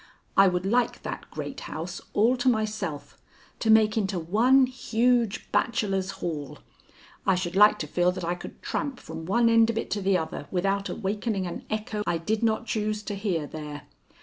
"I would like that great house all to myself, to make into one huge, bachelor's hall. I should like to feel that I could tramp from one end of it to the other without awakening an echo I did not choose to hear there.